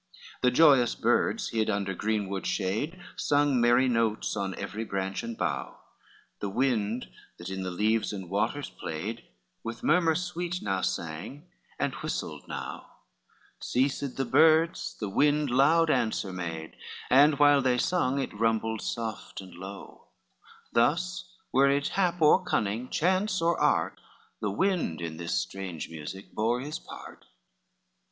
XII The joyous birds, hid under greenwood shade, Sung merry notes on every branch and bough, The wind that in the leaves and waters played With murmur sweet, now sung, and whistled now; Ceased the birds, the wind loud answer made, And while they sung, it rumbled soft and low; Thus were it hap or cunning, chance or art, The wind in this strange music bore his part.